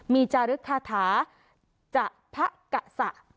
มีจารึกคาถาจะพะกะสะ